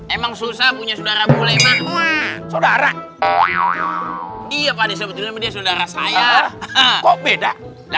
emang susah punya saudara boleh maksud arah dia pada sebetulnya media saudara saya kok beda